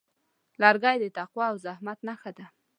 لرګی د تقوا او زحمت نښه ده.